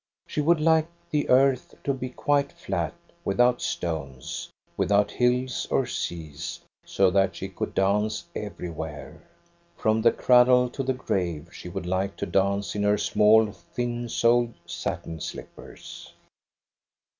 ^ She would like the earth to be quite flat, without stones, without hills or seas, so that she could dance everywhere. From the cradle to the grave she would like to dance in her small, thin soled, satin slippers.